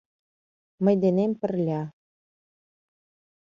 Мый денем пырля...